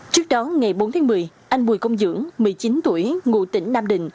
trước đó ngày bốn tháng một mươi anh bùi công dưỡng một mươi chín tuổi ngụ tỉnh nam định